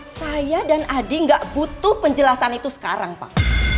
saya dan adi nggak butuh penjelasan itu sekarang pak